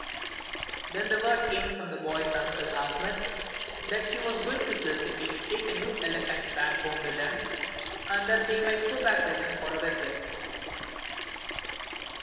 Then word came from the boys' Uncle Achmed that he was coming to the city to take a new elephant back home with him, and that they might go back with him for a visit.